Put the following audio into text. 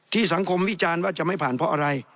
สังคมวิจารณ์ว่าจะไม่ผ่านเพราะอะไร